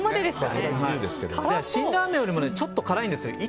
辛ラーメンよりもちょっと辛いんですよ。